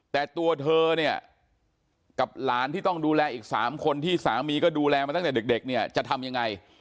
แต่ตัวเธอเนี่ยกับหลานที่ต้องดูแลอีก๓คนที่สามีก็ดูแลมาตั้งแต่เด็กเนี่ยจะทำยังไง